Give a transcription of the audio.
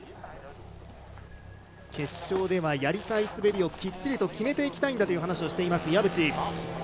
決勝では、やりたい滑りをきっちり決めていきたいという話をしています岩渕。